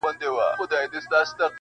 مینېږم زما فطرت عاشقانه دی,